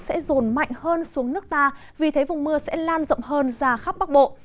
sẽ rồn mạnh hơn xuống nước ta vì thế vùng mưa sẽ lan rộng hơn ra khắp bắc bộ